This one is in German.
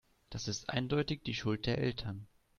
Das ist eindeutig die Schuld der Eltern.